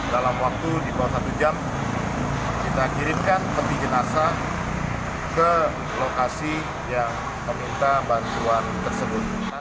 dalam waktu di bawah satu jam kita kirimkan peti jenazah ke lokasi yang meminta bantuan tersebut